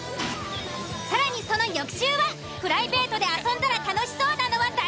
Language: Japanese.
更にその翌週はプライベ―トで遊んだら楽しそうなのは誰？